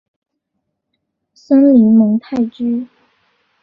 森林蒙泰居。